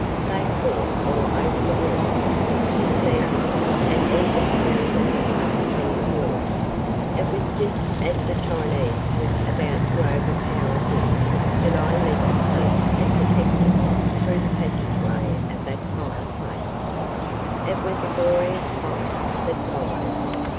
They fought all over the room, dismantling it, and even tearing the hangings from the wall. It was just as the Chinese was about to overpower him that I led the police and detectives through the passageway of the fireplace. It was a glorious fight that followed.